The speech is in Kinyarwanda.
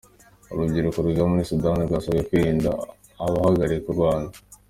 Urubyiruko rwiga muri Sudani rwasabwe kwirinda abaharabika u Rwanda